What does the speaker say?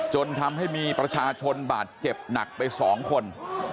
จนทำให้มีประชาชนบาดเจ็บหนักไป๒คน